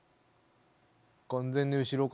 完全に後ろから。